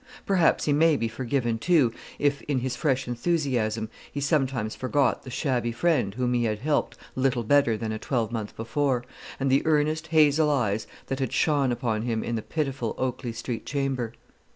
Perhaps he may be forgiven, too, if, in his fresh enthusiasm, he sometimes forgot the shabby friend whom he had helped little better than a twelvemonth before, and the earnest hazel eyes that had shone upon him in the pitiful Oakley Street chamber.